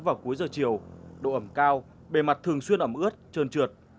vào cuối giờ chiều độ ẩm cao bề mặt thường xuyên ẩm ướt trơn trượt